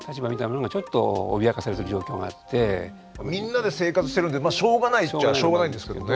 みんなで生活してるんでまあしょうがないっちゃしょうがないんですけどね。